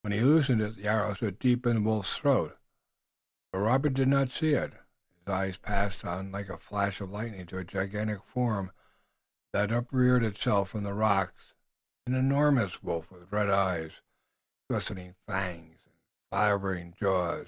When he loosed it the arrow stood deep in the wolf's throat, but Robert did not see it. His eyes passed on like a flash of lightning to a gigantic form that upreared itself from the rocks, an enormous wolf with red eyes, glistening fangs and slavering jaws.